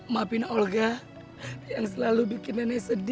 maafin olga yang selalu bikin nenek sedih